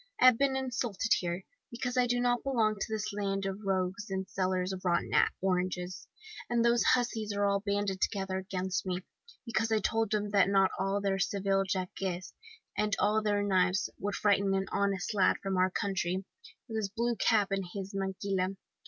I have been insulted here, because I don't belong to this land of rogues and sellers of rotten oranges; and those hussies are all banded together against me, because I told them that not all their Seville jacques, and all their knives, would frighten an honest lad from our country, with his blue cap and his maquila!